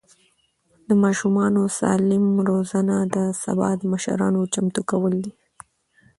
د ماشومانو سالم روزنه د سبا د مشرانو چمتو کول دي.